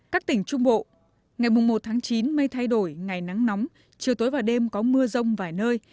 các tỉnh trung bộ ngày một chín mây thay đổi ngày nắng nóng chiều tối và đêm có mưa rông vài nơi